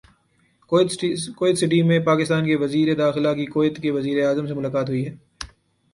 Kuwait City میں پاکستان کے وزیر داخلہ کی کویت کے وزیراعظم سے ملاقات ہوئی ہے